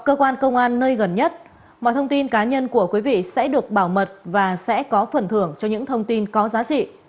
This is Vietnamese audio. cơ quan công an nơi gần nhất mọi thông tin cá nhân của quý vị sẽ được bảo mật và sẽ có phần thưởng cho những thông tin có giá trị